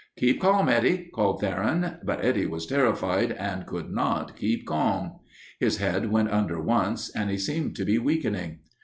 "Keep calm, Eddie," called Theron, but Eddie was terrified and could not keep calm. His head went under once, and he seemed to be weakening.